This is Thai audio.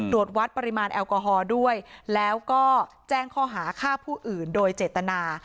ตรวจวัดปริมาณแอลกอฮอล์ด้วยแล้วก็แจ้งข้อหาฆ่าผู้อื่นโดยเจตนา